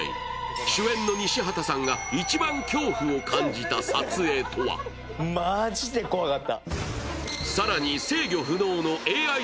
主演の西畑さんが一番恐怖を感じた撮影とはおはようございます。